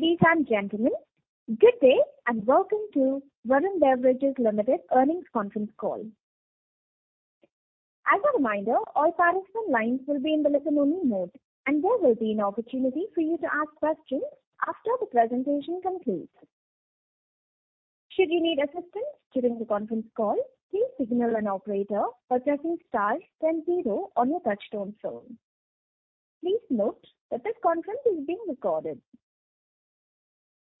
Ladies and gentlemen, good day, and welcome to Varun Beverages Limited earnings conference call. As a reminder, all participant lines will be in listen-only mode, and there will be an opportunity for you to ask questions after the presentation concludes. Should you need assistance during the conference call, please signal an operator by pressing star then zero on your touchtone phone. Please note that this conference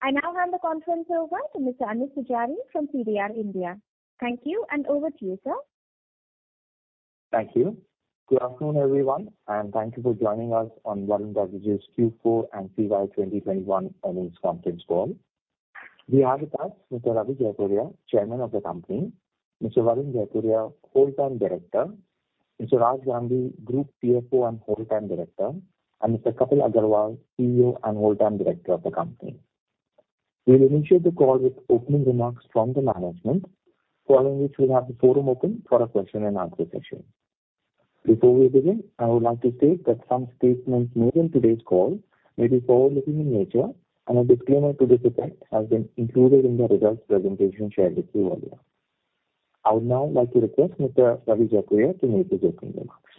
is being recorded. I now hand the conference over to Mr. Anoop Poojari from CDR India. Thank you, and over to you, sir. Thank you. Good afternoon, everyone, and thank you for joining us on Varun Beverages Q4 and FY 2021 earnings conference call. We have with us Mr. Ravi Jaipuria, Chairman of the company, Mr. Varun Jaipuria, Whole-time Director, Mr. Raj Gandhi, Group CFO and Whole-time Director, and Mr. Kapil Agarwal, CEO and Whole-time Director of the company. We'll initiate the call with opening remarks from the management, following which we'll have the forum open for a question and answer session. Before we begin, I would like to state that some statements made on today's call may be forward-looking in nature, and a disclaimer to this effect has been included in the results presentation shared with you earlier. I would now like to request Mr. Ravi Jaipuria to make the opening remarks.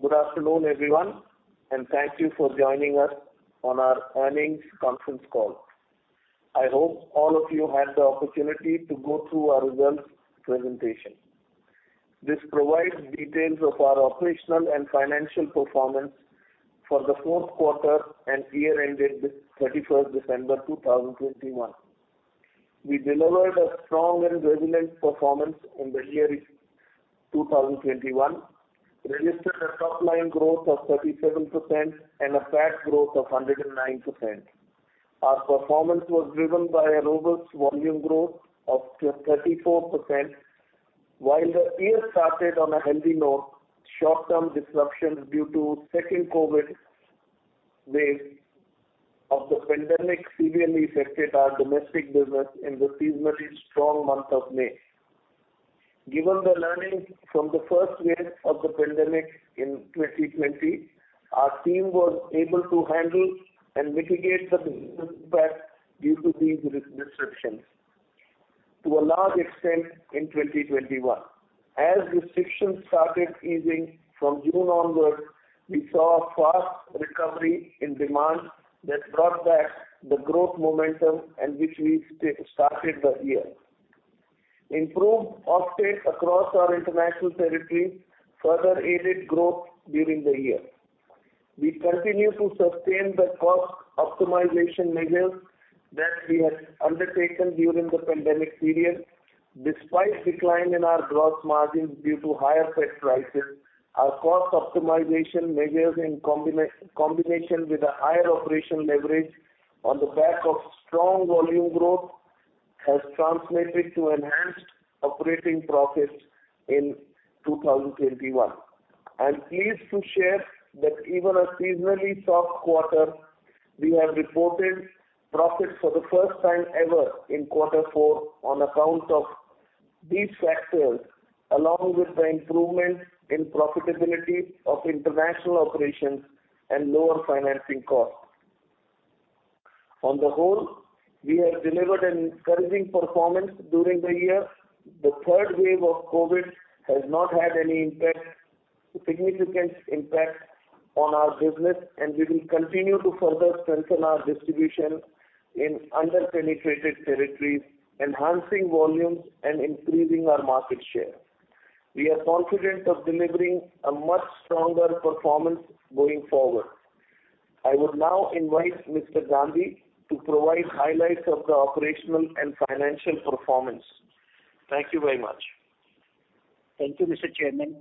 Good afternoon, everyone, and thank you for joining us on our earnings conference call. I hope all of you had the opportunity to go through our results presentation. This provides details of our operational and financial performance for the fourth quarter and year ended 31 December 2021. We delivered a strong and resilient performance in the year 2021, registered a top-line growth of 37% and a PAT growth of 109%. Our performance was driven by a robust volume growth of 34%. While the year started on a healthy note, short-term disruptions due to second COVID wave of the pandemic severely affected our domestic business in the seasonally strong month of May. Given the learnings from the first wave of the pandemic in 2020, our team was able to handle and mitigate the impact due to these disruptions to a large extent in 2021. As restrictions started easing from June onwards, we saw a fast recovery in demand that brought back the growth momentum in which we started the year. Improved offtakes across our international territories further aided growth during the year. We continue to sustain the cost optimization measures that we had undertaken during the pandemic period. Despite decline in our gross margins due to higher freight prices, our cost optimization measures in combination with a higher operational leverage on the back of strong volume growth has translated to enhanced operating profits in 2021. I'm pleased to share that even a seasonally soft quarter, we have reported profits for the first time ever in quarter four on account of these factors, along with the improvements in profitability of international operations and lower financing costs. On the whole, we have delivered an encouraging performance during the year. The third wave of COVID has not had any significant impact on our business, and we will continue to further strengthen our distribution in under-penetrated territories, enhancing volumes and increasing our market share. We are confident of delivering a much stronger performance going forward. I would now invite Mr. Gandhi to provide highlights of the operational and financial performance. Thank you very much. Thank you, Mr. Chairman.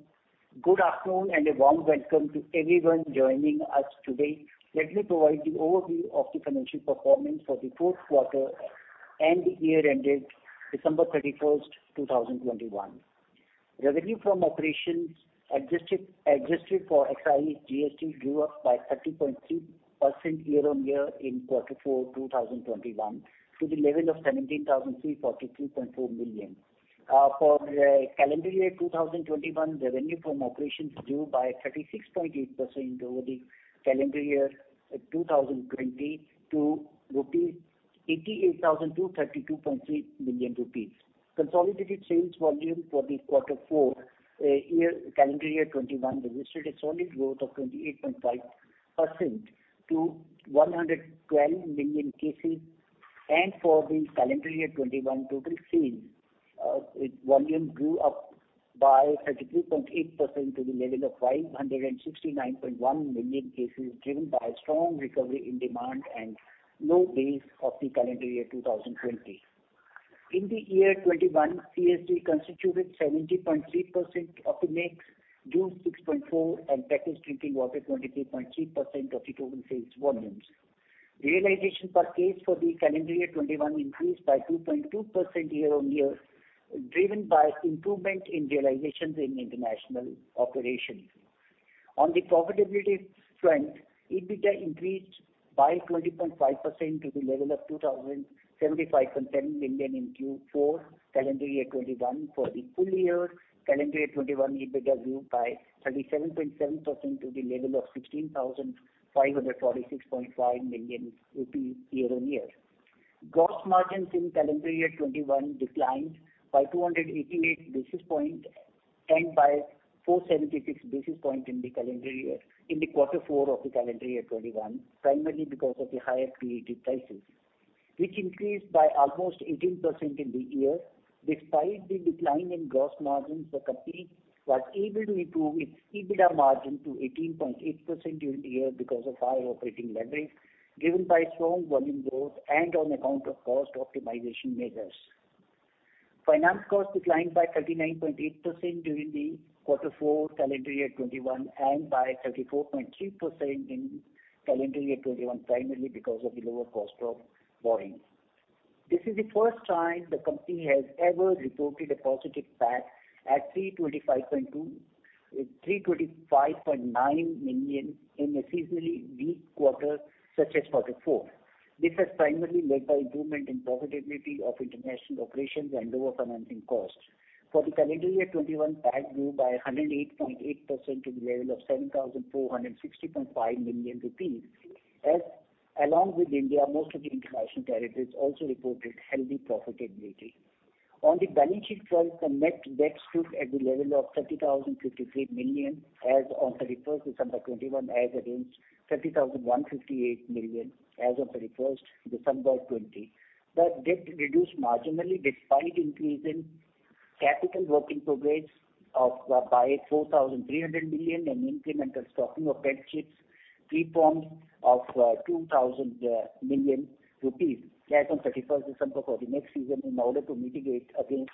Good afternoon, and a warm welcome to everyone joining us today. Let me provide the overview of the financial performance for the fourth quarter and the year ended December 31, 2021. Revenue from operations adjusted for excise GST grew up by 30.3% year-on-year in quarter four 2021 to the level of 17,343.4 million. For calendar year 2021, revenue from operations grew by 36.8% over the calendar year 2020 to 88,232.3 million rupees. Consolidated sales volume for quarter four, calendar year 2021 registered a solid growth of 28.5% to 112 million cases. For the calendar year 2021, total sales volume grew up by 32.8% to the level of 569.1 million cases, driven by strong recovery in demand and low base of the calendar year 2020. In the year 2021, CSD constituted 70.3% of the mix, juice 6.4%, and packaged drinking water 23.3% of the total sales volumes. Realization per case for the calendar year 2021 increased by 2.2% year-on-year, driven by improvement in realizations in international operations. On the profitability front, EBITDA increased by 20.5% to the level of 2,075.7 million in Q4, calendar year 2021 for the full year. Calendar year 2021 EBITDA grew by 37.7% to the level of 16,546.5 million rupees year-on-year. Gross margins in calendar year 2021 declined by 288 basis points and by 476 basis points in the calendar year, in the quarter four of the calendar year 2021, primarily because of the higher resin prices, which increased by almost 18% in the year. Despite the decline in gross margins, the company was able to improve its EBITDA margin to 18.8% year-on-year because of high operating leverage given by strong volume growth and on account of cost optimization measures. Finance cost declined by 39.8% during the quarter four calendar year 2021 and by 34.3% in calendar year 2021, primarily because of the lower cost of borrowing. This is the first time the company has ever reported a positive PAT at 325.9 million in a seasonally weak quarter such as quarter four. This was primarily led by improvement in profitability of international operations and lower financing costs. For the calendar year 2021, PAT grew by 108.8% to the level of 7,460.5 million rupees. As well as India, most of the international territories also reported healthy profitability. On the balance sheet front, the net debt stood at the level of 30,053 million as on 31 December 2021, as against 30,158 million as on 31 December 2020. The debt reduced marginally despite increase in capital work in progress by 4,300 million and incremental stocking of PET chips preforms of 2,000 million rupees as on December 31, 2021 for the next season in order to mitigate against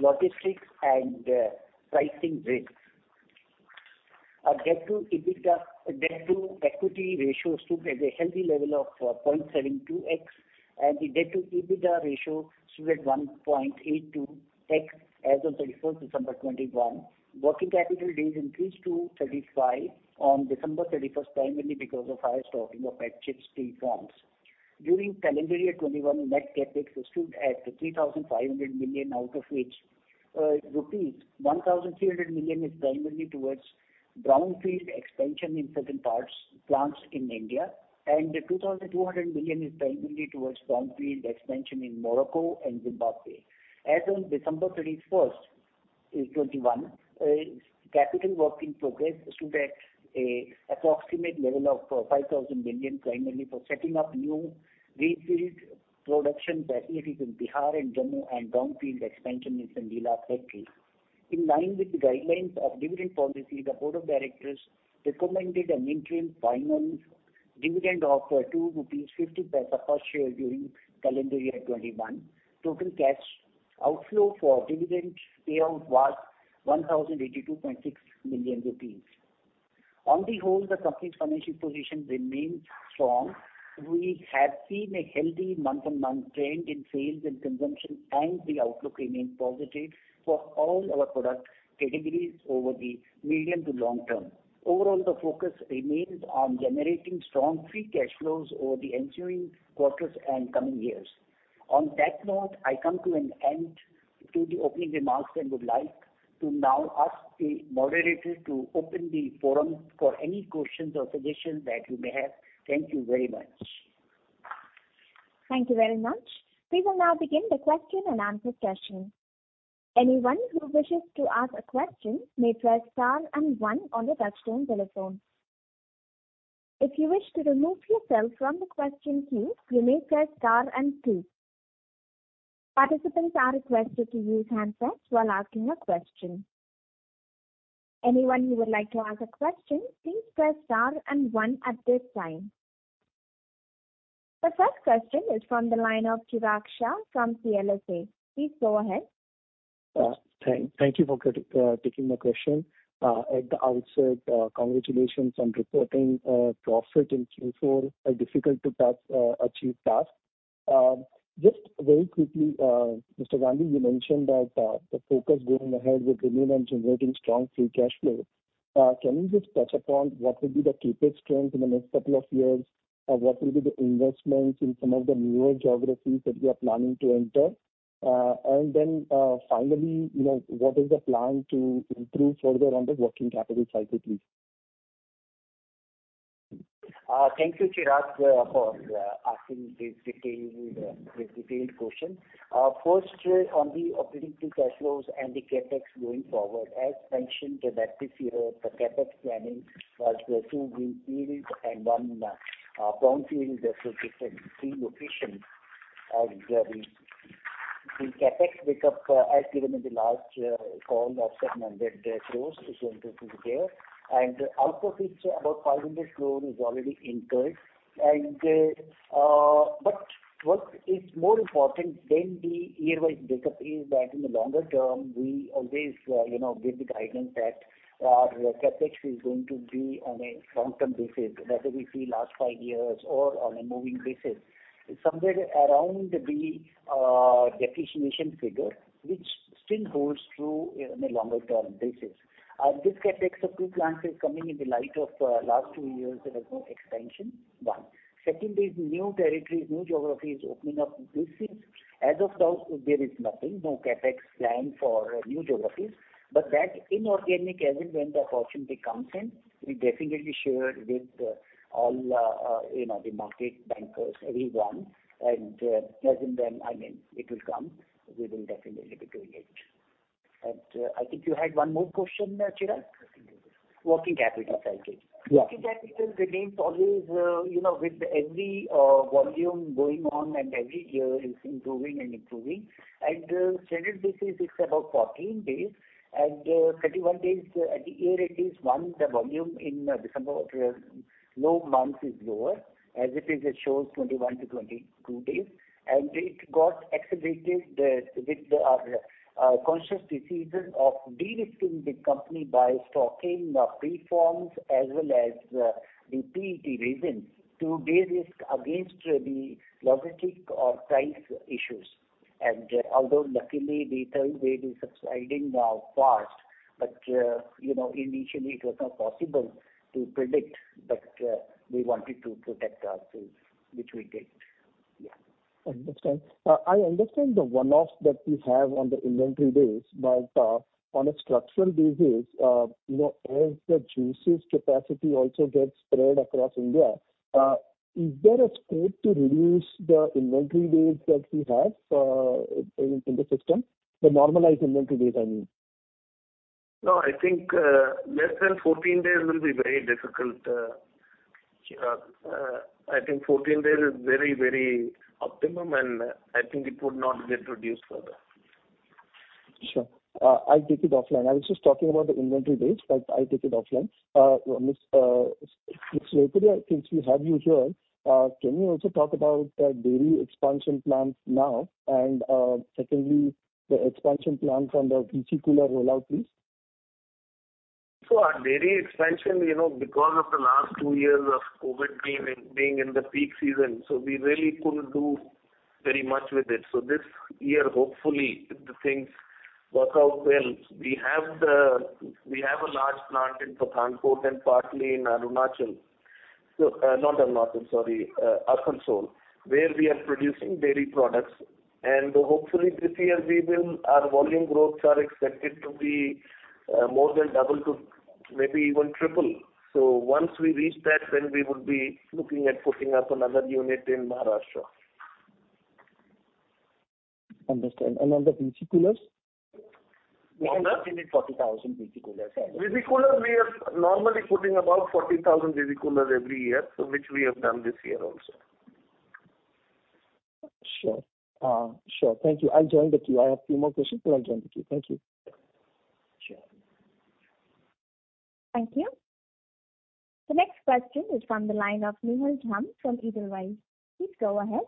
logistics and pricing risks. Our debt to equity ratio stood at a healthy level of 0.72x, and the debt to EBITDA ratio stood at 1.82x as of December 31, 2021. Working capital days increased to 35 on December 31, primarily because of high stocking of PET chips preforms. During calendar year 2021, net CapEx stood at 3,500 million, out of which rupees 1,300 million is primarily towards brownfield expansion in certain parts, plants in India, and 2,200 million is primarily towards brownfield expansion in Morocco and Zimbabwe. As on December 31, 2021, capital work in progress stood at an approximate level of 5,000 million, primarily for setting up new greenfield production facilities in Bihar and Jammu and brownfield expansion in Sandila, Delhi. In line with the guidelines of dividend policy, the Board of Directors recommended an interim final dividend of 2.50 rupees per share during calendar year 2021. Total cash outflow for dividend payout was 1,082.6 million rupees. On the whole, the company's financial position remains strong. We have seen a healthy month-on-month trend in sales and consumption, and the outlook remains positive for all our product categories over the medium to long term. Overall, the focus remains on generating strong free cash flows over the ensuing quarters and coming years. On that note, I come to an end to the opening remarks and would like to now ask the moderator to open the forum for any questions or suggestions that you may have. Thank you very much. Thank you very much. We will now begin the question and answer session. Anyone who wishes to ask a question may press star and one on the touchtone telephone. If you wish to remove yourself from the question queue, you may press star and two. Participants are requested to use handsets while asking a question. Anyone who would like to ask a question, please press star and one at this time. The first question is from the line of Chirag Shah from CLSA. Please go ahead. Thank you for taking the question. At the outset, congratulations on reporting profit in Q4, a difficult task to achieve. Just very quickly, Mr. Gandhi, you mentioned that the focus going ahead would remain on generating strong free cash flow. Can you just touch upon what would be the key strengths in the next couple of years? What will be the investments in some of the newer geographies that you are planning to enter? And then, finally, you know, what is the plan to improve further on the working capital cycle, please? Thank you, Chirag, for asking the detailed question. First, on the operating free cash flows and the CapEx going forward, as mentioned in that this year, the CapEx planning to assume greenfield and one brownfield at three locations are going. The CapEx breakup, as given in the last call of 700 crore is going to be Out of it, about 500 crore is already incurred. What is more important than the year-wise breakup is that in the longer term, we always, you know, give the guidance that our CapEx is going to be on a long-term basis, whether we see last five years or on a moving basis. It's somewhere around the depreciation figure, which still holds true on a longer term basis. This CapEx of two plants is coming in the light of last two years that have no expansion. One. Second is new territories, new geographies opening up. This is, as of now, there is nothing, no CapEx plan for new geographies. That inorganic as and when the opportunity comes in, we definitely share with, all, you know, the market bankers, everyone. as and when, I mean, it will come, we will definitely be doing it. I think you had one more question, Chirag. Working capital Working capital. Okay, Good Yeah. Working capital remains always, you know, with every volume going on and every year it's improving and improving. Standard basis, it's about 14 days. 31 days at the year-end, it is 31, the volume in December low month is lower, as it is, it shows 21-22 days. It got accelerated with the conscious decision of de-risking the company by stocking preforms as well as the PET resin to de-risk against the logistics or price issues. Although luckily the third wave is subsiding now fast, but you know, initially it was not possible to predict, but we wanted to protect ourselves, which we did. Yeah. I understand the one-offs that we have on the inventory days, but on a structural basis, you know, as the juices capacity also gets spread across India, is there a scope to reduce the inventory days that we have in the system? The normalized inventory days, I mean. No, I think less than 14 days will be very difficult, Chirag. I think 14 days is very, very optimum, and I think it would not get reduced further. Sure. I'll take it offline. I was just talking about the inventory days, but I'll take it offline. Mr. Jetley, I think we have you here. Can you also talk about dairy expansion plans now? Secondly, the expansion plans on the VC cooler rollout, please. Our dairy expansion, you know, because of the last 2 years of COVID being in the peak season, so we really couldn't do very much with it. This year, hopefully, if the things work out well, we have a large plant in Bokakhat and partly in Arunachal. Not Arunachal, sorry, Arkansol, where we are producing dairy products. Hopefully this year we will our volume growths are expected to be more than double to maybe even triple. Once we reach that, then we would be looking at putting up another unit in Maharashtra. Understand. On the VC coolers? We have added 40,000 VC coolers. VC coolers, we are normally putting about 40,000 VC coolers every year, so which we have done this year also. Sure. Sure. Thank you. I'll join the queue. I have a few more questions, but I'll join the queue. Thank you. Sure. Thank you. The next question is from the line of Nihal Jham from Edelweiss. Please go ahead.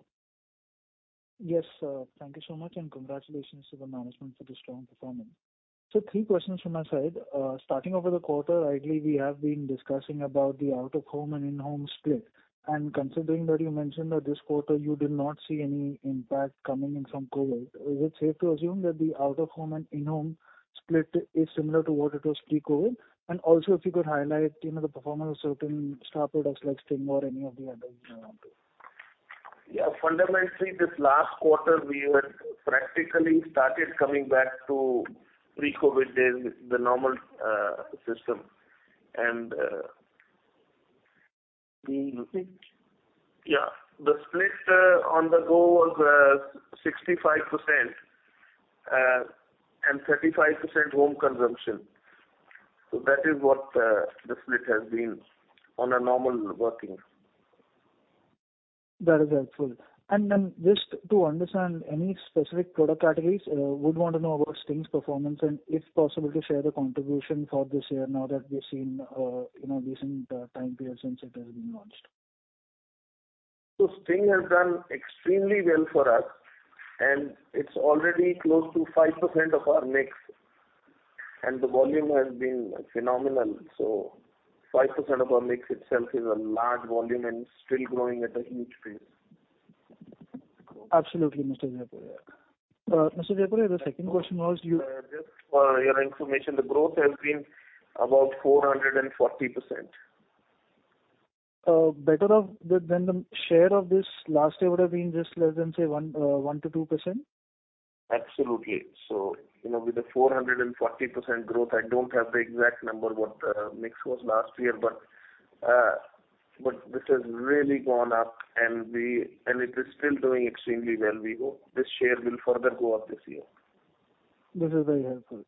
Yes, sir. Thank you so much, and congratulations to the management for the strong performance. Three questions from my side. Starting off with the quarter, rightly we have been discussing about the out-of-home and in-home split. Considering that you mentioned that this quarter you did not see any impact coming in from COVID, is it safe to assume that the out-of-home and in-home split is similar to what it was pre-COVID? Also if you could highlight, you know, the performance of certain star products like Sting or any of the others you want to. Fundamentally, this last quarter we had practically started coming back to pre-COVID days, the normal system. The split on the go was 65% and 35% home consumption. That is what the split has been on a normal working. That is helpful. Just to understand any specific product categories, would want to know about Sting's performance and if possible to share the contribution for this year now that we've seen, in a recent time period since it has been launched. Sting has done extremely well for us, and it's already close to 5% of our mix, and the volume has been phenomenal. 5% of our mix itself is a large volume and still growing at a huge pace. Absolutely, Mr. Jaipuria. Mr. Jaipuria, the second question was you- Just for your information, the growth has been about 440%. Better off than the share of this last year would have been just less than, say, 1%-2%? Absolutely. You know, with the 400% growth, I don't have the exact number what mix was last year. This has really gone up and it is still doing extremely well. We hope this share will further go up this year. This is very helpful.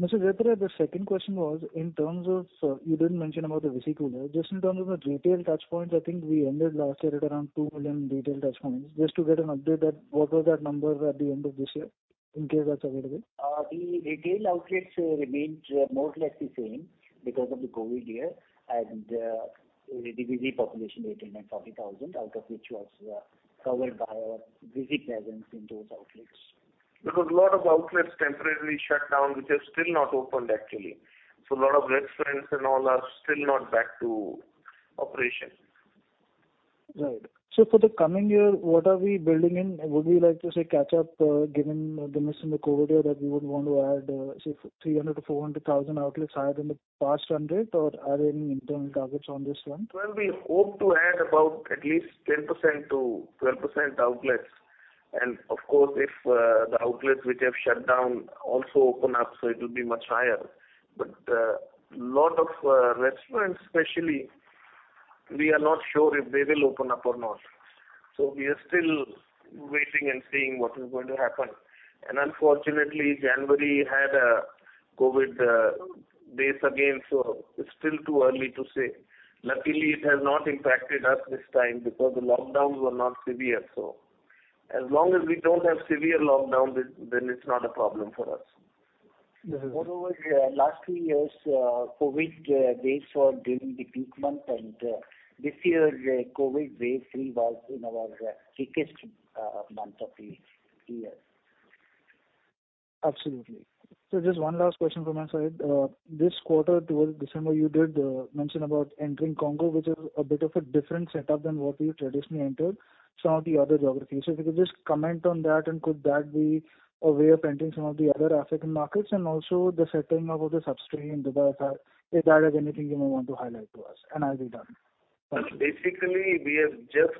Mr. Jaipuria, the second question was in terms of, so you didn't mention about the VC cooler. Just in terms of the retail touchpoints, I think we ended last year at around 2 million retail touchpoints. Just to get an update on what that number was at the end of this year? In case that's available. The retail outlets remained more or less the same because of the COVID year and the base population 89,000, out of which was covered by our vast presence in those outlets. Because a lot of outlets temporarily shut down, which have still not opened actually. A lot of restaurants and all are still not back to operation. Right. For the coming year, what are we building in? Would we like to say catch up, given the miss in the COVID year that we would want to add, say 300-400 thousand outlets higher than the past year, or are there any internal targets on this front? Well, we hope to add about at least 10%-12% outlets. Of course, if the outlets which have shut down also open up, it will be much higher. A lot of restaurants especially, we are not sure if they will open up or not. We are still waiting and seeing what is going to happen. Unfortunately, January had a COVID base again, so it's still too early to say. Luckily, it has not impacted us this time because the lockdowns were not severe. As long as we don't have severe lockdown, then it's not a problem for us. Moreover, last three years, COVID, they saw during the peak month and this year COVID wave three was in our thickest month of the year. Absolutely. Just one last question from my side. This quarter towards December, you did mention about entering Congo, which is a bit of a different setup than what you traditionally entered some of the other geographies. If you could just comment on that and could that be a way of entering some of the other African markets? And also the setting up of the subsidiary in Dubai, if that has anything you may want to highlight to us, and I'll be done. Thank you. We are just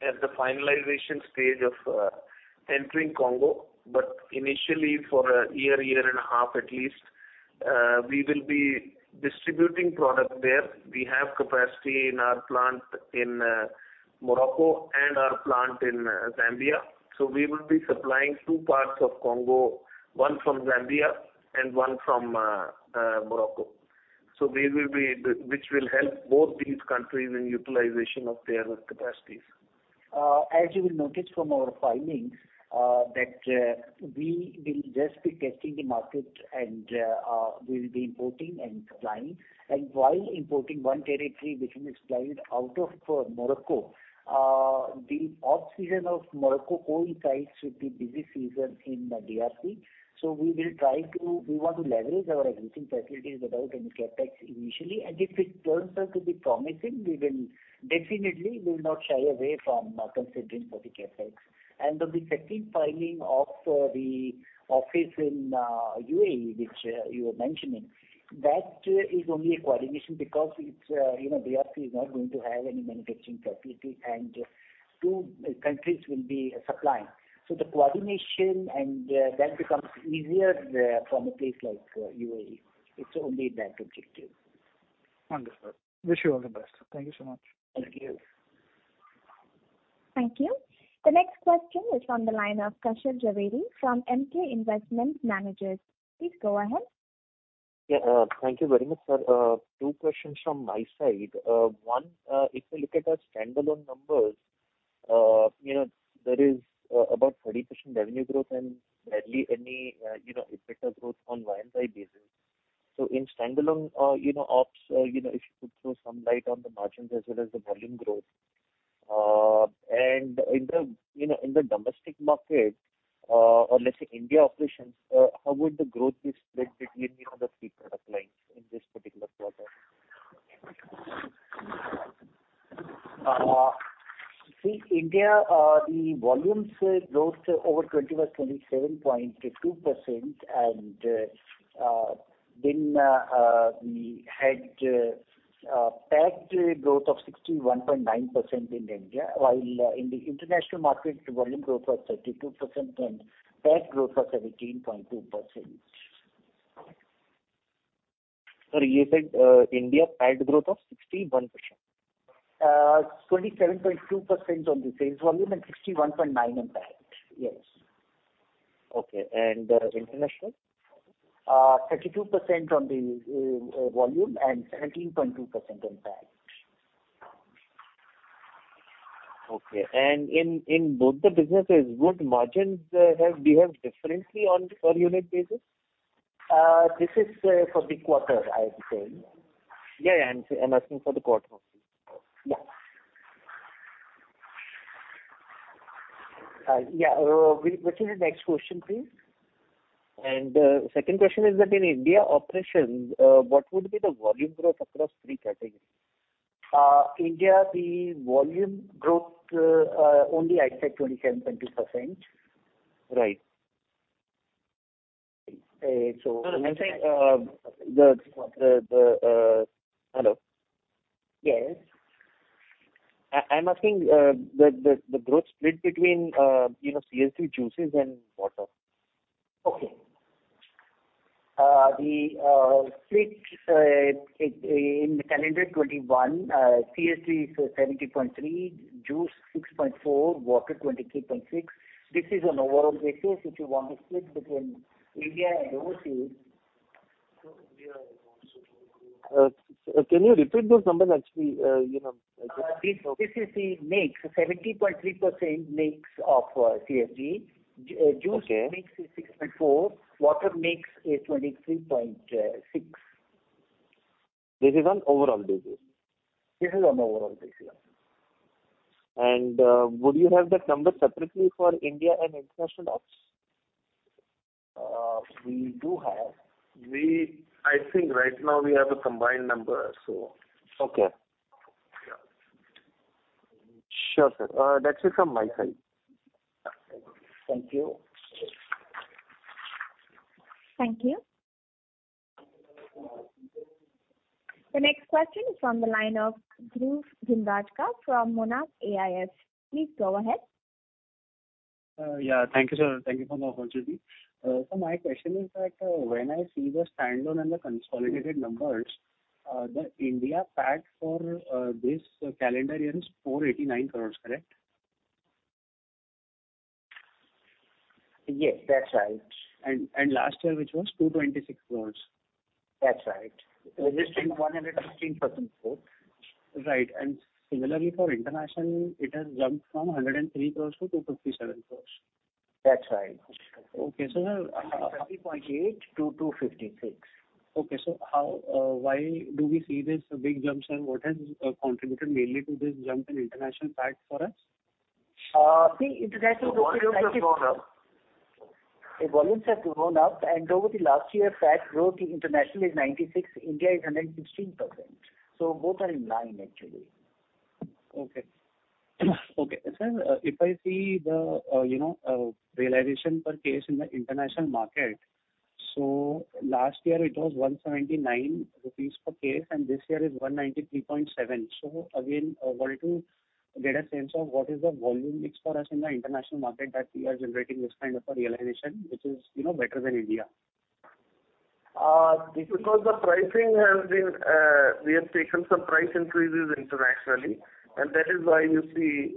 at the finalization stage of entering Congo. Initially for a year and a half at least, we will be distributing product there. We have capacity in our plant in Morocco and our plant in Zambia. We will be supplying two parts of Congo, one from Zambia and one from Morocco. This will help both these countries in utilization of their capacities. As you will notice from our filings, we will just be testing the market and we will be importing and supplying. While importing one territory which is supplied out of Morocco, the off-season of Morocco coincides with the busy season in DRC. We want to leverage our existing facilities without any CapEx initially, and if it turns out to be promising, we will definitely not shy away from considering for the CapEx. The second filing of the office in UAE, which you were mentioning, that is only a coordination because it's, you know, DRC is not going to have any manufacturing facility, and two countries will be supplying. The coordination and that becomes easier from a place like UAE. It's only that objective. Understood. Wish you all the best. Thank you so much. Thank you. Thank you. The next question is from the line of Kashyap Javeri from Emkay Investment Managers. Please go ahead. Yeah. Thank you very much, sir. Two questions from my side. One, if you look at our standalone numbers, you know, there is about 30% revenue growth and barely any, you know, EBITDA growth on year-on-year basis. In standalone, you know, ops, you know, if you could throw some light on the margins as well as the volume growth. In the domestic market, or let's say India operations, how would the growth be split between, you know, the three product lines in this particular quarter? In India, the volume growth was 27.2%. We had PAT growth of 61.9% in India. While in the international market, volume growth was 32% and PAT growth was 17.2%. Sorry. You said, India PAT growth of 61%. 27.2% on the sales volume and 61.9% in PAT. Yes. Okay. International? 32% on the volume and 17.2% in PAT. Okay. In both the businesses, would margins have behaved differently on per unit basis? This is for the quarter, I assume. Yeah, yeah. I'm asking for the quarter. Which is the next question, please? Second question is that in India operations, what would be the volume growth across three categories? India, the volume growth, only I said 27.2%. Right. No, no. Hello? Yes. I'm asking the growth split between, you know, CSD, juices and water. Okay. The split in calendar 2021, CSD is 70.3%, juice 6.4%, water 23.6%. This is on overall basis. If you want a split between India and overseas- Can you repeat those numbers actually, you know? This is the mix, 70.3% mix of CSD. Okay. Juice mix is 60.4%. Water mix is 23.6%. This is on overall basis? This is on overall basis. Would you have that number separately for India and international ops? We do have. I think right now we have a combined number, so. Okay. Yeah. Sure, sir. That's it from my side. Thank you. Thank you. The next question is from the line of Dhruv Jindal from Monarch AIF. Please go ahead. Yeah. Thank you, sir. Thank you for the opportunity. So my question is that, when I see the standalone and the consolidated numbers, the India P&L for this calendar year is 489 crores, correct? Yes, that's right. Last year which was 226 crores. That's right. 115% growth. Right. Similarly for international, it has jumped from 103 crores to 257 crores. That's right. Okay. Thirty point eight to two fifty-six. Okay. How, why do we see this big jump, sir? What has contributed mainly to this jump in international pack for us? see international. The volumes have gone up. The volumes have gone up, and over the last year, pack growth in international is 96%, India is 116%. Both are in line, actually. Okay. Sir, if I see the, you know, realization per case in the international market, last year it was 179 rupees per case, and this year is 193.7. Again, we're to get a sense of what is the volume mix for us in the international market that we are generating this kind of a realization, which is, you know, better than India. It's because the pricing has been, we have taken some price increases internationally, and that is why you see,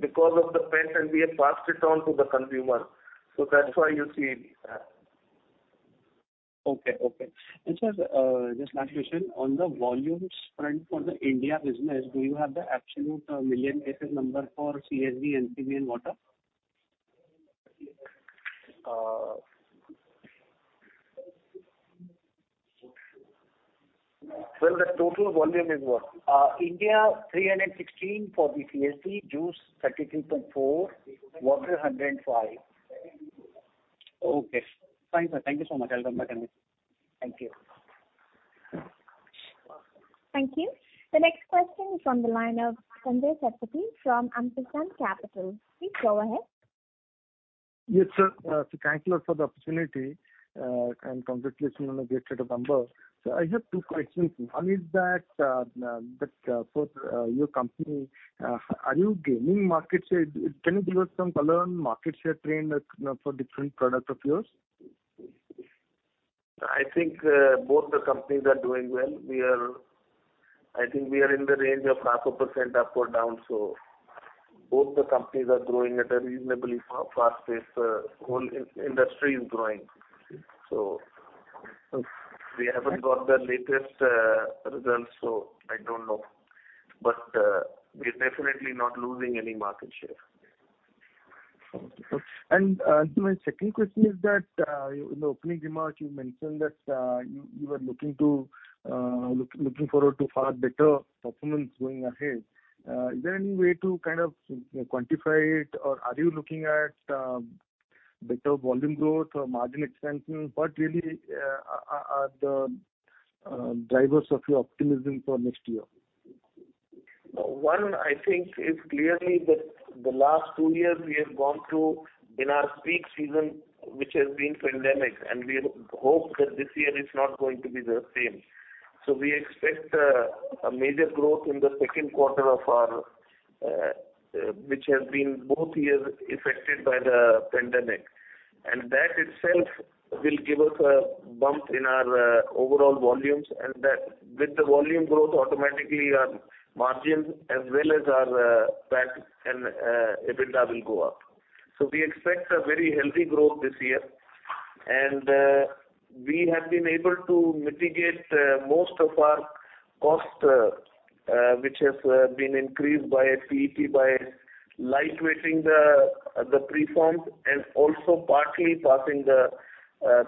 because of the PETs and we have passed it on to the consumer. That's why you see it. Okay. Sir, just last question, on the volumes front for the India business, do you have the absolute million cases number for CSD, NCB and water? Uh... Well, the total volume is what? India 316 for the CSD, juice 33.4, water 105. Okay. Fine, sir. Thank you so much. I'll come back again. Thank you. Thank you. The next question is from the line of Sanjaya Sathpathy from Ambit Capital. Please go ahead. Yes, sir. Thank you, sir, for the opportunity. Congratulations on the great set of numbers. I have two questions. One is that for your company, are you gaining market share? Can you give us some color on market share trend, you know, for different product of yours? I think both the companies are doing well. I think we are in the range of 0.5% up or down. Both the companies are growing at a reasonably fast pace. Whole industry is growing. We haven't got the latest results, so I don't know. We're definitely not losing any market share. Okay. My second question is that in the opening remarks you mentioned that you are looking forward to far better performance going ahead. Is there any way to kind of quantify it? Or are you looking at better volume growth or margin expansion? What really are the drivers of your optimism for next year? One, I think is clearly the last two years we have gone through in our peak season, which has been pandemic, and we hope that this year is not going to be the same. We expect a major growth in the second quarter of our, which has been both years affected by the pandemic. That itself will give us a bump in our overall volumes, and that with the volume growth automatically our margins as well as our pack and EBITDA will go up. We expect a very healthy growth this year. We have been able to mitigate most of our cost, which has been increased by PET by lightweighting the preforms and also partly passing the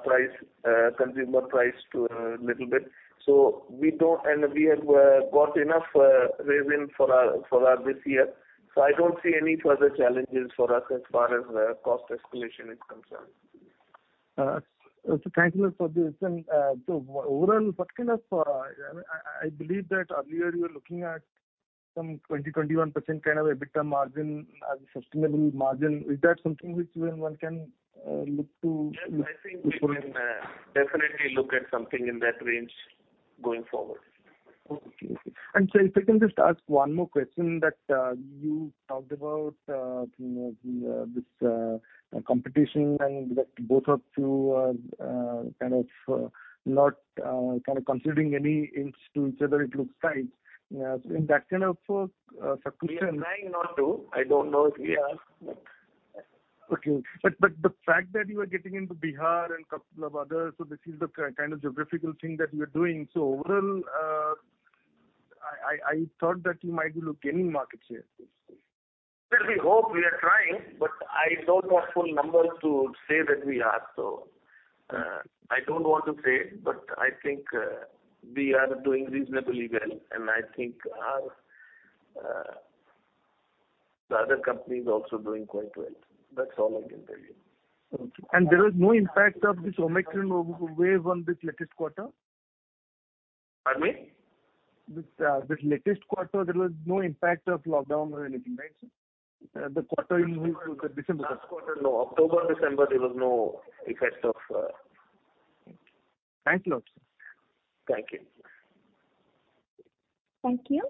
price, consumer price to a little bit. We don't We have got enough resin for our this year. I don't see any further challenges for us as far as cost escalation is concerned. Thank you, sir, for this. Overall, I believe that earlier you were looking at some 21% kind of EBITDA margin as a sustainable margin. Is that something which one can look to Yes, I think we can definitely look at something in that range going forward. Okay. Sir, if I can just ask one more question that you talked about, you know, this competition and that both of you are kind of not conceding any inch to each other, it looks like. In that kind of situation- We are trying not to. I don't know if we are, but. Okay. The fact that you are getting into Bihar and couple of others, this is the kind of geographical thing that you are doing. Overall, I thought that you might be losing market share. Well, we hope. We are trying, but I don't have full numbers to say that we are. I don't want to say it, but I think we are doing reasonably well, and I think the other company is also doing quite well. That's all I can tell you. Okay. There is no impact of this Omicron wave on this latest quarter? Pardon me. This latest quarter, there was no impact of lockdown or anything, right, sir? The quarter in December. Last quarter, no. October, December, there was no effect of. Thank you. Thank you. Thank you.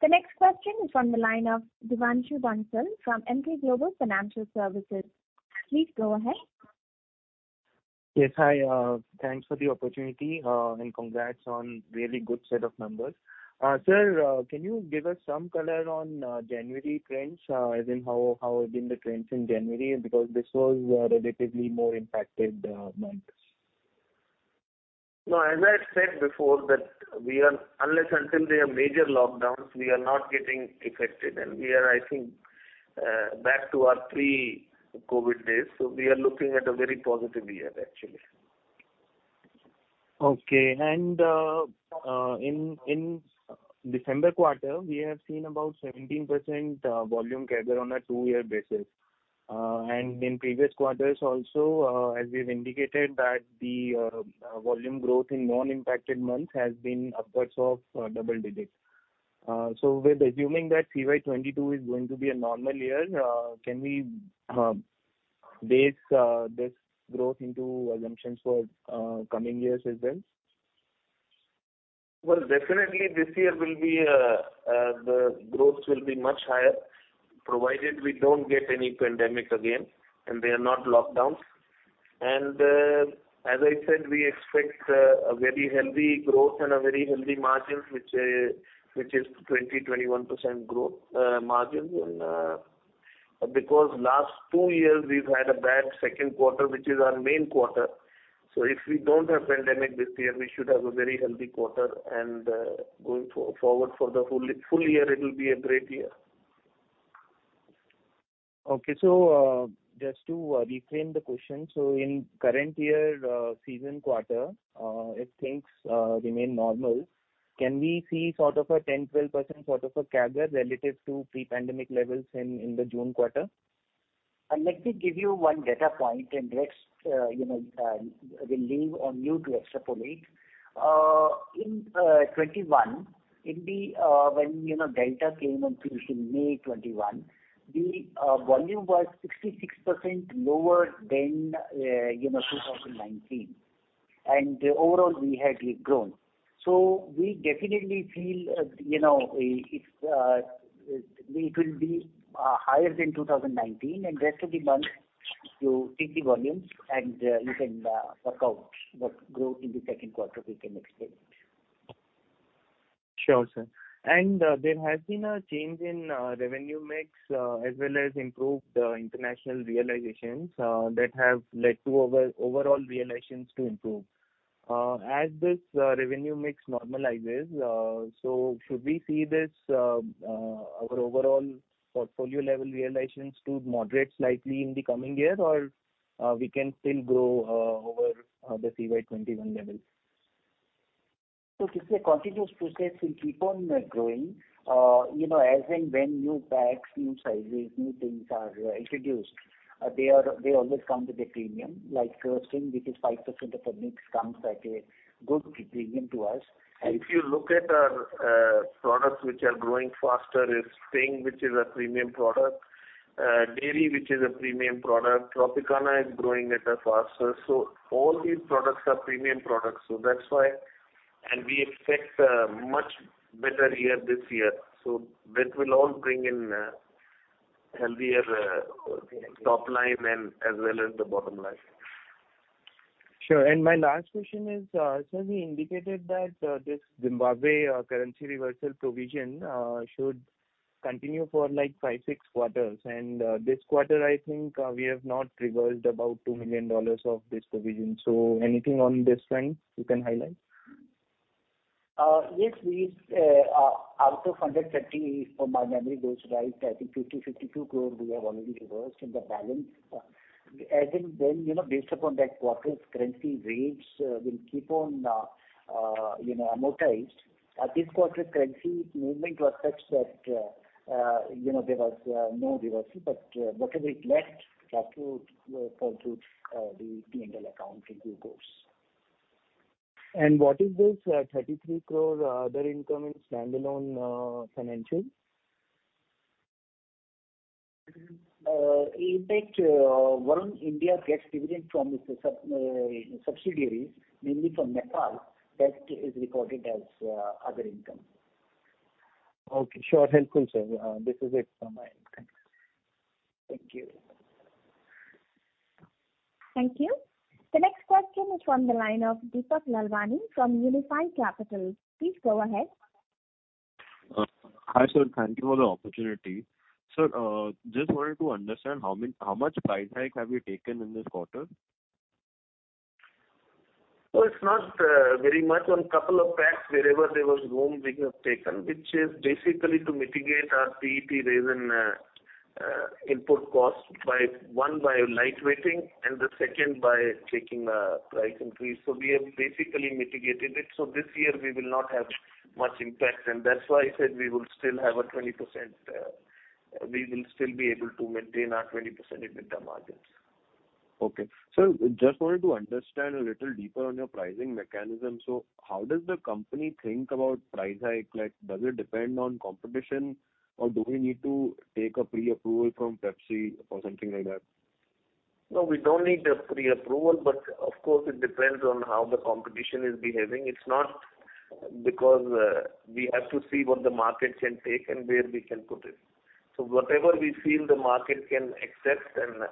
The next question is from the line of Devanshu Bansal from Emkay Global Financial Services. Please go ahead. Yes, hi, thanks for the opportunity, and congrats on really good set of numbers. Sir, can you give us some color on January trends, as in how have been the trends in January? Because this was a relatively more impacted month. No, as I said before that unless and until there are major lockdowns, we are not getting affected, and we are, I think, back to our pre-COVID days. We are looking at a very positive year, actually. Okay. In December quarter, we have seen about 17% volume CAGR on a two-year basis. In previous quarters also, as we've indicated that the volume growth in non-impacted months has been upwards of double digits. We're assuming that FY 2022 is going to be a normal year. Can we base this growth into assumptions for coming years as well? Well, definitely this year the growth will be much higher, provided we don't get any pandemic again, and there are not lockdowns. As I said, we expect a very healthy growth and a very healthy margins, which is 21% growth, margins. Because last two years we've had a bad second quarter, which is our main quarter. If we don't have pandemic this year, we should have a very healthy quarter and going forward for the full year, it'll be a great year. Just to reframe the question, so in current year, season quarter, if things remain normal, can we see sort of a 10-12% sort of a CAGR relative to pre-pandemic levels in the June quarter? Let me give you one data point, and let's, you know, we'll leave it to you to extrapolate. In 2021, when Delta came on scene in May 2021, the volume was 66% lower than 2019. Overall we had grown. We definitely feel, you know, it will be higher than 2019. Rest of the month, you take the volumes and you can work out what growth in the second quarter we can expect. Sure, sir. There has been a change in revenue mix, as well as improved international realizations, that have led to overall realizations to improve. As this revenue mix normalizes, should we see our overall portfolio level realizations to moderate slightly in the coming year, or we can still grow over the FY 2021 level? It's a continuous process. We'll keep on growing. You know, as and when new packs, new sizes, new things are introduced, they always come with a premium. Like Sting, which is 5% of our mix, comes at a good premium to us. If you look at our products which are growing faster is Sting, which is a premium product, Dairy, which is a premium product. Tropicana is growing at a faster. All these products are premium products, so that's why. We expect a much better year this year. That will all bring in a healthier top line and as well as the bottom line. Sure. My last question is, sir, we indicated that this Zimbabwe currency reversal provision should continue for like 5, 6 quarters. This quarter, I think, we have not reversed about $2 million of this provision. Anything on this front you can highlight? Yes, we out of 130 crore, if my memory goes right, I think 52 crore we have already reversed. The balance, as and when, you know, based upon that quarter's currency rates, will keep on, you know, amortized. This quarter's currency movement was such that, you know, there was no reversal. Whatever is left has to go through the P&L account in due course. What is this 33 crore other income in standalone financial? Impact when India gets dividend from its subsidiaries, mainly from Nepal, that is recorded as other income. Okay, sure. Helpful, sir. This is it from my end. Thank you. Thank you. Thank you. The next question is from the line of Deepak Lalwani from Unifi Capital. Please go ahead. Hi, sir. Thank you for the opportunity. Sir, just wanted to understand how much price hike have you taken in this quarter? Oh, it's not very much. On a couple of packs wherever there was room we have taken, which is basically to mitigate our PET resin input cost by one via lightweighting, and the second by taking a price increase. We have basically mitigated it. This year we will not have much impact, and that's why I said we will still be able to maintain our 20% EBITDA margins. Okay. Sir, just wanted to understand a little deeper on your pricing mechanism. How does the company think about price hike? Like, does it depend on competition or do we need to take a pre-approval from Pepsi or something like that? No, we don't need a pre-approval, but of course it depends on how the competition is behaving. It's not because, we have to see what the market can take and where we can put it. Whatever we feel the market can accept, then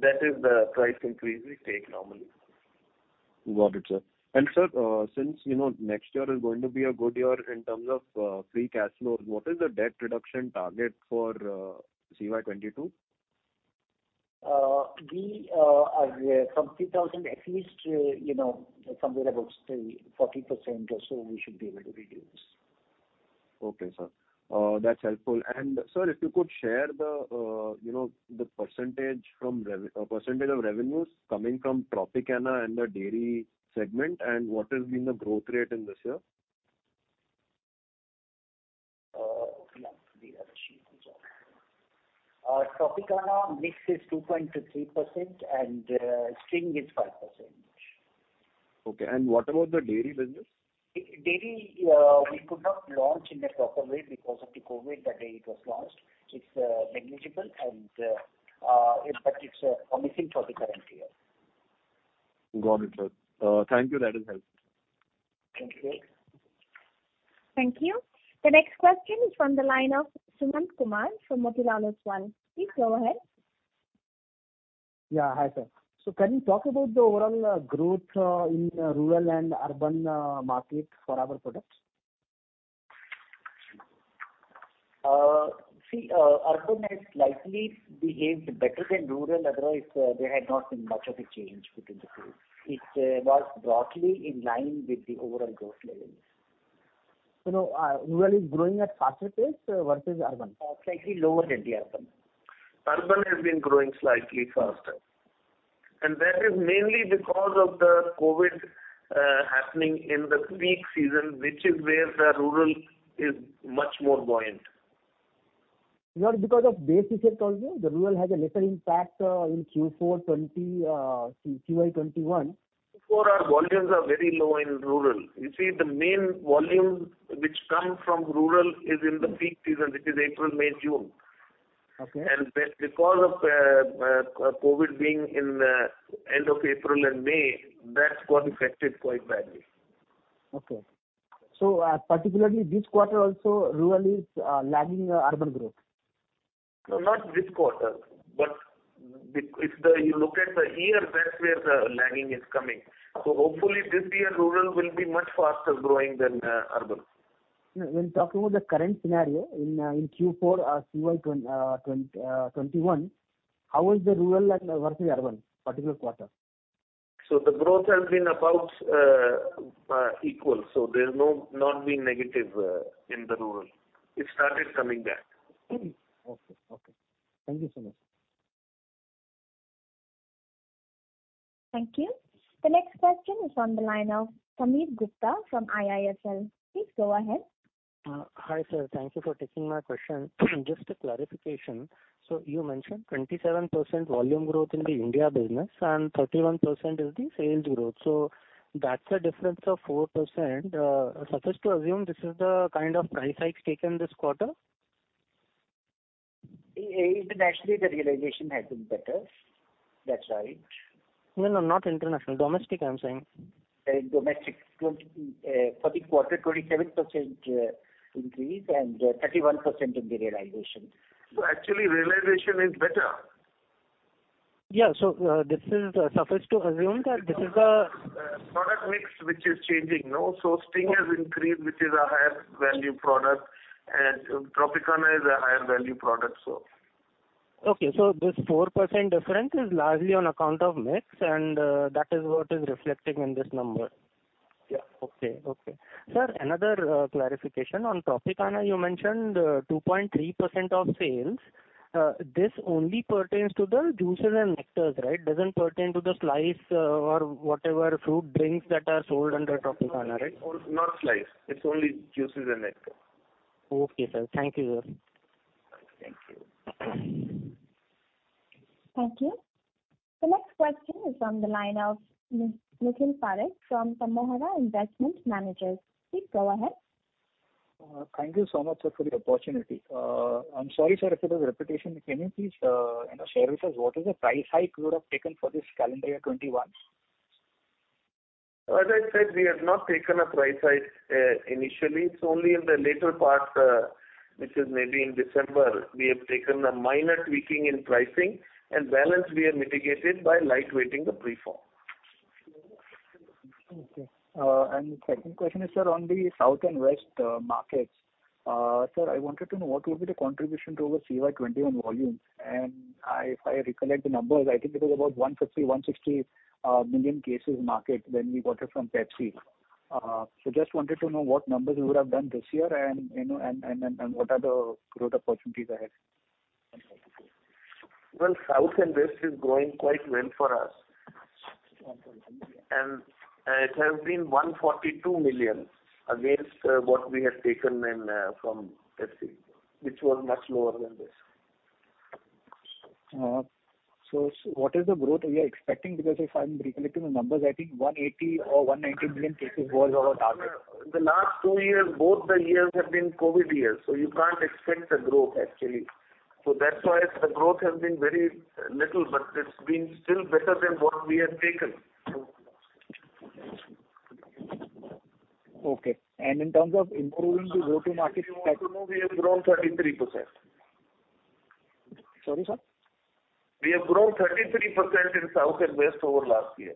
that is the price increase we take normally. Got it, sir. Sir, since, you know, next year is going to be a good year in terms of free cash flows, what is the debt reduction target for CY 2022? From 3,000 at least, you know, somewhere about 40% or so we should be able to reduce. Okay, sir. That's helpful. Sir, if you could share the, you know, the percentage of revenues coming from Tropicana and the dairy segment and what has been the growth rate in this year? Tropicana mix is 2.3% and Sting is 5%. Okay. What about the Dairy business? Dairy, we could not launch in a proper way because of the COVID the day it was launched. It's negligible, but it's promising for the current year. Got it, sir. Thank you. That has helped. Thank you. Thank you. The next question is from the line of Sumant Kumar from Motilal Oswal. Please go ahead. Yeah, hi sir. Can you talk about the overall growth in rural and urban market for our products? See, urban has slightly behaved better than rural, otherwise there had not been much of a change between the two. It was broadly in line with the overall growth levels. You know, rural is growing at faster pace versus urban? Slightly lower than the urban. Urban has been growing slightly faster, and that is mainly because of the COVID happening in the peak season, which is where the rural is much more buoyant. Not because of base effect also? The rural has a lesser impact in Q4 2020, CY 2021. Q4 our volumes are very low in rural. You see the main volume which come from rural is in the peak season, which is April, May, June. Okay. Because of COVID being in end of April and May, that got affected quite badly. Okay. Particularly this quarter also rural is lagging urban growth? No, not this quarter, but if you look at the year, that's where the lagging is coming. Hopefully this year rural will be much faster growing than urban. When talking about the current scenario in Q4 or CY 2021, how is the rural versus urban particular quarter? The growth has been about equal, so there's not been negative in the rural. It started coming back. Okay. Thank you so much. Thank you. The next question is on the line of Sameer Gupta from IIFL. Please go ahead. Hi sir, thank you for taking my question. Just a clarification. You mentioned 27% volume growth in the India business and 31% is the sales growth. That's a difference of 4%. Is it safe to assume this is the kind of price hikes taken this quarter? Internationally the realization has been better. That's why. No, no, not international. Domestic, I'm saying. For the quarter, 27% increase and 31% in the realization. Actually, realization is better. This is sufficient to assume that this is a- Product mix which is changing. No? Sting has increased, which is a higher value product, and Tropicana is a higher value product, so. Okay. This 4% difference is largely on account of mix and that is what is reflecting in this number? Yeah. Okay. Sir, another clarification. On Tropicana you mentioned 2.3% of sales. This only pertains to the juices and nectars, right? Doesn't pertain to the Slice or whatever fruit drinks that are sold under Tropicana, right? Not Slice. It's only juices and nectar. Okay, sir. Thank you, sir. Thank you. Thank you. The next question is on the line of Nikhil Parekh from Samco Investment Managers. Please go ahead. Thank you so much, sir, for the opportunity. I'm sorry, sir, if it is repetition. Can you please, you know, share with us what is the price hike you would have taken for this calendar year 2021? As I said, we have not taken a price hike initially. It's only in the later part, which is maybe in December, we have taken a minor tweaking in pricing, and balance we have mitigated by lightweighting the preform. Okay. Second question is, sir, on the south and west markets. Sir, I wanted to know what will be the contribution to our CY 2021 volumes. I, if I recollect the numbers, I think it was about 150, 160 million cases market when we bought it from Pepsi. So just wanted to know what numbers you would have done this year and, you know, and what are the growth opportunities ahead. Well, south and west is growing quite well for us. Okay. It has been 142 million against what we have taken in from Pepsi, which was much lower than this. What is the growth you are expecting? Because if I'm recollecting the numbers, I think 180 or 190 million cases was our target. The last two years, both the years have been COVID years, so you can't expect a growth actually. That's why the growth has been very little, but it's been still better than what we had taken. Okay. In terms of improving the go-to-market- If you want to know, we have grown 33%. Sorry, sir? We have grown 33% in South and West over last year.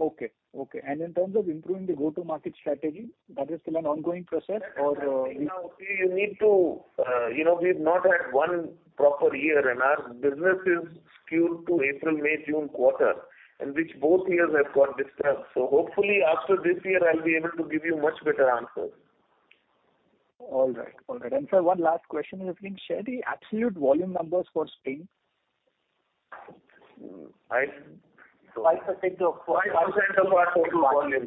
Okay. In terms of improving the go-to-market strategy, that is still an ongoing process or? You know, we need to, you know, we've not had one proper year, and our business is skewed to April-May-June quarter, and which both years have got disturbed. Hopefully after this year I'll be able to give you much better answers. All right. Sir, one last question is if you can share the absolute volume numbers for Sting. I... 5% of total. 5% of our total volume.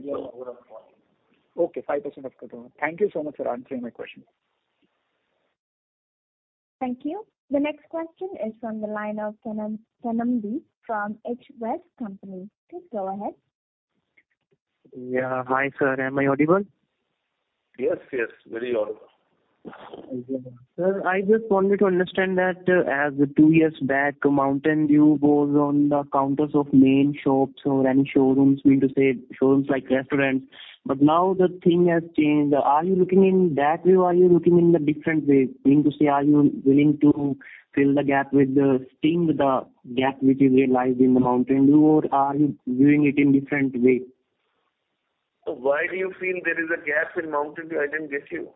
Okay, 5% of total. Thank you so much for answering my question. Thank you. The next question is from the line of Kanan B. from Edge West Company. Please go ahead. Yeah. Hi sir, am I audible? Yes, yes, very audible. Sir, I just wanted to understand that, as two years back Mountain Dew goes on the counters of main shops or any showrooms, mean to say showrooms like restaurants, but now the thing has changed. Are you looking in that way or are you looking in a different way? Mean to say, are you willing to fill the gap with the Sting, the gap which is realized in the Mountain Dew or are you doing it in different way? Why do you feel there is a gap in Mountain Dew? I didn't get you.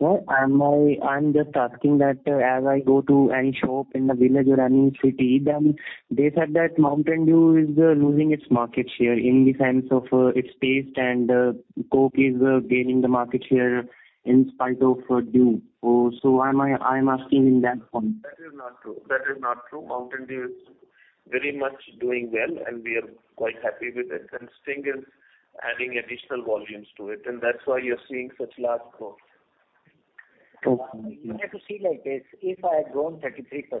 Well, I'm just asking that as I go to any shop in the village or any city, then they said that Mountain Dew is losing its market share in the sense of its taste and Coke is gaining the market share in spite of Dew. I'm asking in that point. That is not true. Mountain Dew is very much doing well, and we are quite happy with it. Sting is adding additional volumes to it, and that's why you're seeing such large growth. Okay. You have to see like this, if I have grown 33%,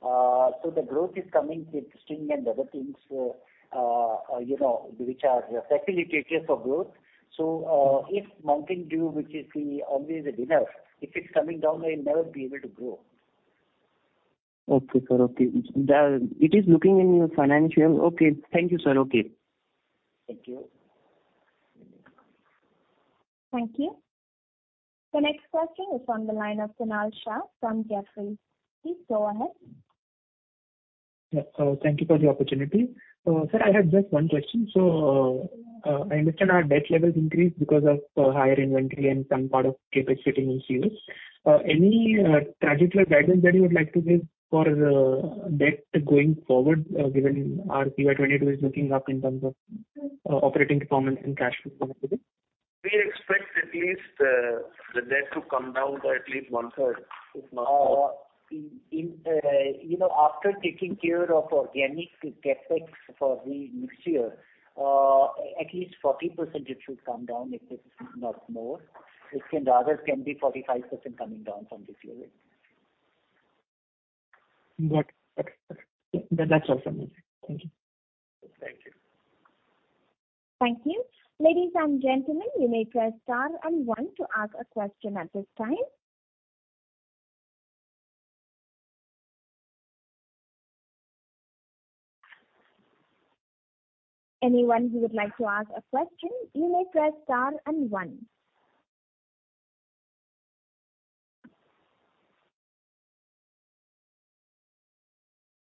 so the growth is coming with Sting and other things, you know, which are facilitators for growth. So, if Mountain Dew, which is the obvious winner, if it's coming down, we'll never be able to grow. Okay, sir. Okay. It is looking in your financial. Okay. Thank you, sir. Okay. Thank you. Thank you. The next question is on the line of Sonal Shah from Jefferies. Please go ahead. Thank you for the opportunity. Sir, I have just one question. I understand our debt levels increased because of higher inventory and some part of capacity issues. Any trajectory guidance that you would like to give for the debt going forward, given our CY 2022 is looking up in terms of operating performance and cash flow positivity? We expect at least the debt to come down by at least one-third, if not more. You know, after taking care of organic CapEx for the next year, at least 40% it should come down, if it is not more. It can rather be 45% coming down from this year. Got it. Okay. That's all from me. Thank you. Thank you. Thank you. Ladies and gentlemen, you may press star and one to ask a question at this time. Anyone who would like to ask a question, you may press star and one.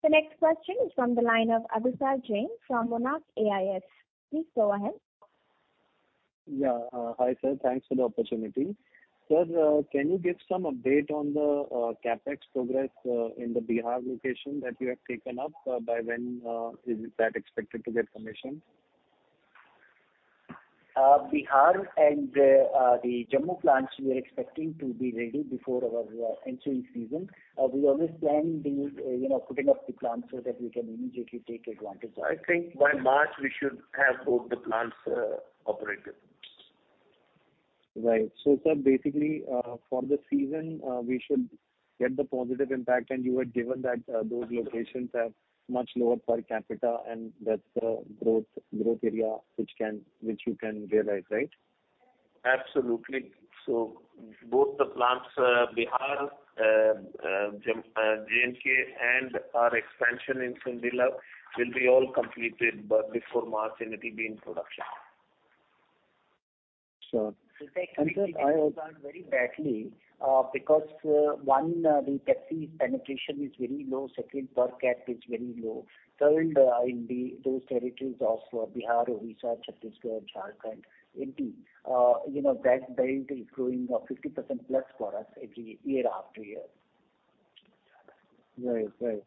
The next question is from the line of Abhisar Jain from Monarch AIF. Please go ahead. Yeah. Hi, sir. Thanks for the opportunity. Sir, can you give some update on the CapEx progress in the Bihar location that you have taken up? By when is that expected to get commissioned? Bihar and the Jammu plants we are expecting to be ready before our ensuing season. We always plan these, you know, putting up the plants so that we can immediately take advantage of it. I think by March we should have both the plants operational. Right. Sir, basically, for the season, we should get the positive impact. You had given that those locations have much lower per capita and that's the growth area which you can realize, right? Absolutely. Both the plants, Bihar, J&K and our expansion in Sandila will be all completed by before March, and it'll be in production. Sure. Sir, Very badly, because one, the market penetration is very low. Second, per cap is very low. Third, in those territories of Bihar, Orissa, Chhattisgarh, Jharkhand, MP, you know, that is growing 50%+ for us every year after year. Right.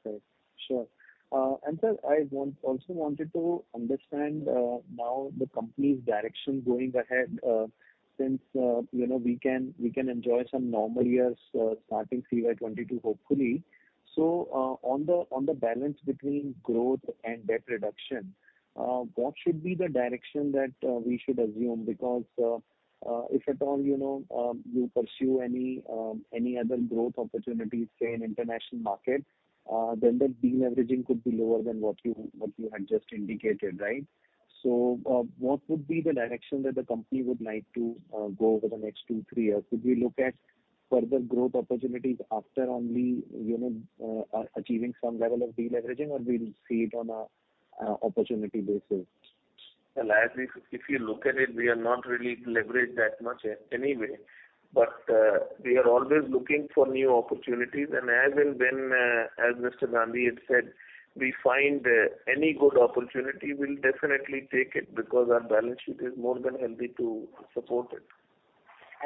Sure. And sir, I want, also wanted to understand now the company's direction going ahead, since you know we can enjoy some normal years starting FY 2022, hopefully. On the balance between growth and debt reduction, what should be the direction that we should assume? Because if at all you know any other growth opportunities, say in international markets, then the deleveraging could be lower than what you had just indicated, right? What would be the direction that the company would like to go over the next two, three years? Could we look at further growth opportunities after only you know achieving some level of deleveraging, or we'll see it on a opportunity basis? Well, if you look at it, we are not really leveraged that much anyway. We are always looking for new opportunities. As and when, as Mr. Gandhi had said, we find any good opportunity, we'll definitely take it because our balance sheet is more than healthy to support it.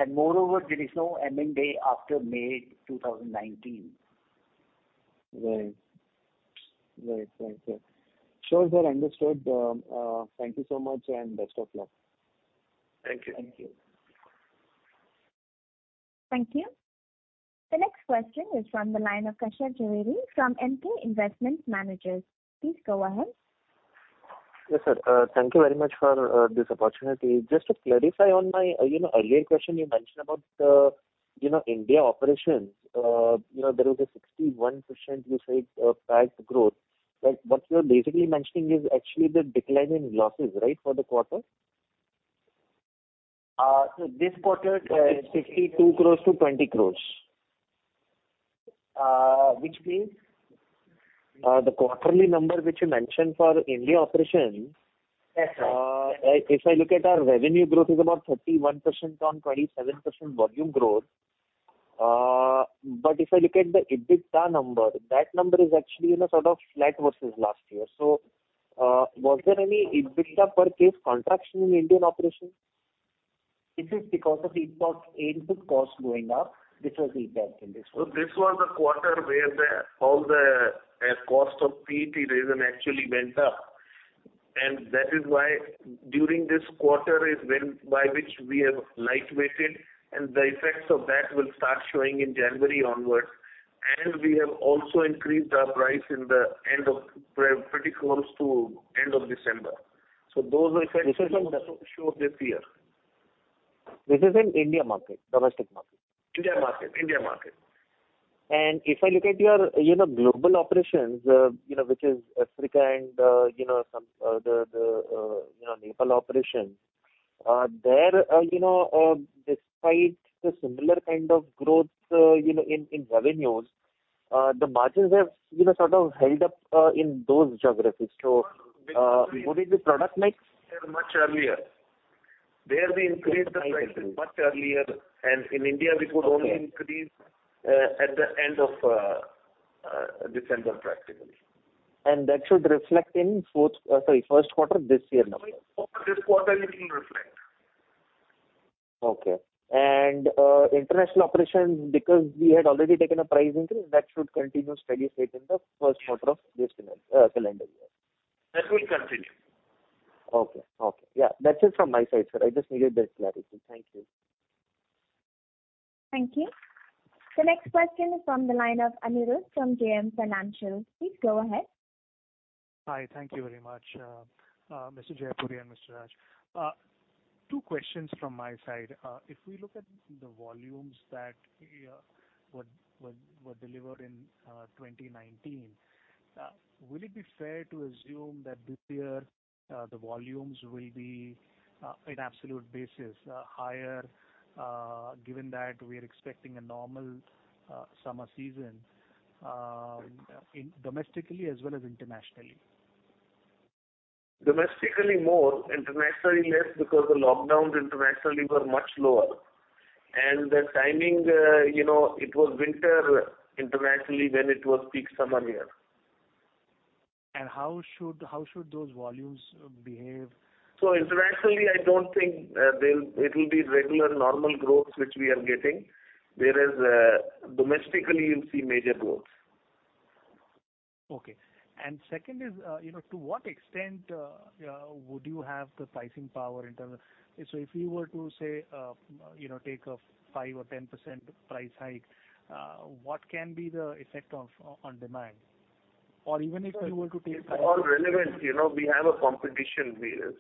Moreover, there is no M&A after May 2019. Right. Sure, sir. Understood. Thank you so much and best of luck. Thank you. Thank you. Thank you. The next question is from the line of Kashyap Javeri from Emkay Investment Managers. Please go ahead. Yes, sir. Thank you very much for this opportunity. Just to clarify on my, you know, earlier question, you mentioned about, you know, India operations. You know, there was a 61% you said, CAGR growth. What you're basically mentioning is actually the decline in losses, right, for the quarter? This quarter, INR 62 crores-INR 20 crores. Which means the quarterly number which you mentioned for India operations. That's right. If I look at our revenue growth is about 31% on 27% volume growth. But if I look at the EBITDA number, that number is actually, you know, sort of flat versus last year. Was there any EBITDA per case contraction in Indian operations? It is because of the input costs going up, which was the impact in this one. This was a quarter where all the cost of PET resin actually went up. That is why during this quarter is when, by which we have light weighted, and the effects of that will start showing in January onwards. We have also increased our price in the end of Q3, pretty close to end of December. Those effects. This is in- will also show this year. This is in India market, domestic market? India market. If I look at your, you know, global operations, you know, which is Africa and the Nepal operations, there, you know, despite the similar kind of growth, you know, in revenues, the margins have, you know, sort of held up in those geographies. What is the product mix? They are much earlier. There we increased the prices much earlier, and in India we could only increase. Okay. at the end of December practically. That should reflect in first quarter this year numbers. This quarter it will reflect. International operations, because we had already taken a price increase, that should continue steady state in the first quarter of this calendar year. That will continue. Okay. Yeah. That's it from my side, sir. I just needed that clarity. Thank you. Thank you. The next question is from the line of Anirudh from JM Financial. Please go ahead. Hi. Thank you very much, Mr. Jaipuria and Mr. Raj. Two questions from my side. If we look at the volumes that were delivered in 2019, will it be fair to assume that this year the volumes will be in absolute basis higher given that we're expecting a normal summer season in domestically as well as internationally? Domestically more, internationally less, because the lockdowns internationally were much lower. The timing, you know, it was winter internationally when it was peak summer here. How should those volumes behave? Internationally, I don't think it'll be regular normal growth which we are getting, whereas domestically you'll see major growth. Okay. Second is, you know, to what extent would you have the pricing power in terms of. So if you were to say, you know, take a 5% or 10% price hike, what can be the effect on demand? Or even if you were to take It's all relevant. You know, we have a competition here.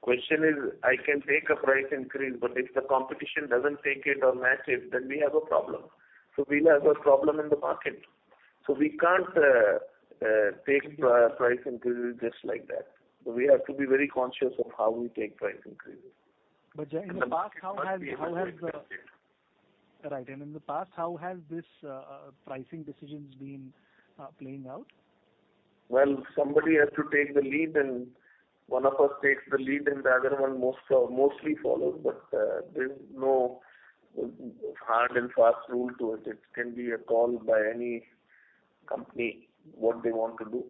Question is, I can take a price increase, but if the competition doesn't take it or match it, then we have a problem. We'll have a problem in the market. We can't take price increases just like that. We have to be very conscious of how we take price increases. In the past, how has? The market must be able to take the hit. Right. In the past, how has this pricing decisions been playing out? Well, somebody has to take the lead, and one of us takes the lead and the other one mostly follows. There's no hard and fast rule to it. It can be a call by any company, what they want to do.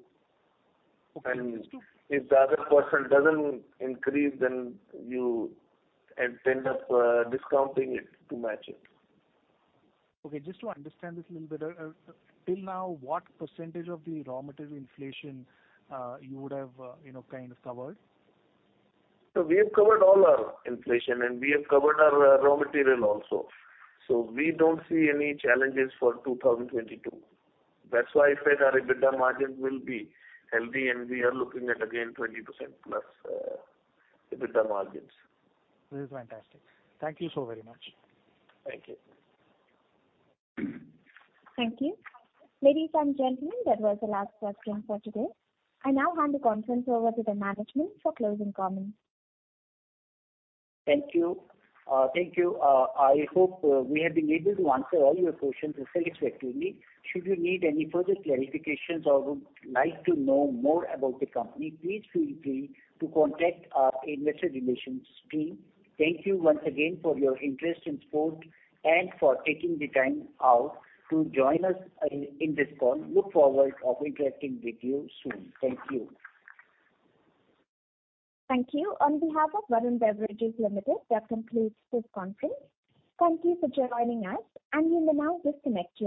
Okay. If the other person doesn't increase, then you end up discounting it to match it. Okay. Just to understand this a little better, till now, what percentage of the raw material inflation you would have, you know, kind of covered? We have covered all our inflation, and we have covered our raw material also. We don't see any challenges for 2022. That's why I said our EBITDA margins will be healthy, and we are looking at again 20%+ EBITDA margins. This is fantastic. Thank you so very much. Thank you. Thank you. Ladies and gentlemen, that was the last question for today. I now hand the conference over to the management for closing comments. Thank you. I hope we have been able to answer all your questions satisfactorily. Should you need any further clarifications or would like to know more about the company, please feel free to contact our investor relations team. Thank you once again for your interest and support and for taking the time out to join us in this call. We look forward to interacting with you soon. Thank you. Thank you. On behalf of Varun Beverages Limited, that concludes this conference. Thank you for joining us, and you may now disconnect your lines.